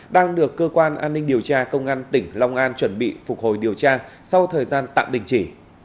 đang được cơ quan an ninh điều tra công an tỉnh long an chuẩn bị phục hồi điều tra sau thời gian tạm đình chỉ